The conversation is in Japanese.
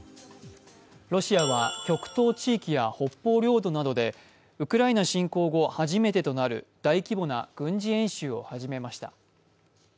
ロシアは、極東地域や北方領土などでウクライナ侵攻後、初めてとなる大規模な軍事演習を始めました。